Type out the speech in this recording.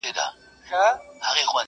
پیرمحمد په ملغلرو بار کاروان دی.